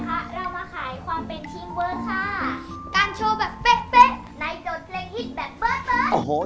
การโชว์แบบเป๊ะในโจทย์เพลงฮิตแบบเบิด